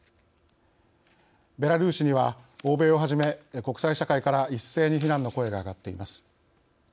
ベラルーシには、欧米をはじめ国際社会から一斉に非難の声が上がっています。